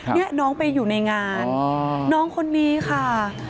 นี่น้องไปอยู่ในงานน้องคนนี้ค่ะ